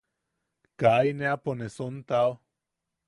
Kaa in eapo ne sontao.